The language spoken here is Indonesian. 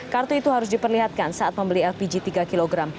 kartu itu harus diperlihatkan saat membeli lpg tiga kg